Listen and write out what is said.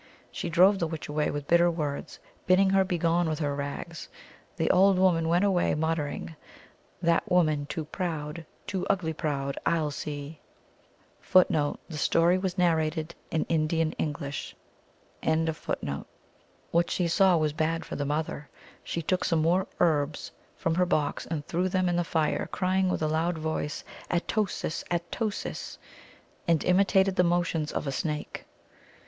She drove the witch away with bitter words, bidding her begone with her rags. The old woman went away mutter ing, " That woman too proud too ugly proud I 11 see." i What she saw was bad for the mother. She took some more herbs from her box and threw them in the fire, crying with a loud voice, " At o sis ! At o sis! " and imitated the motions of a snake.